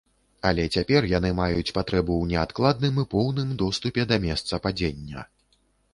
Але цяпер яны маюць патрэбу ў неадкладным і поўным доступе да месца падзення.